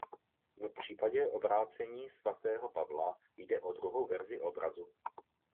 V případě "Obrácení svatého Pavla" jde o druhou verzi obrazu.